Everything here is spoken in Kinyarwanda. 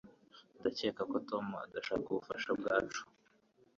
Ndatekereza ko Tom adashaka ubufasha bwacu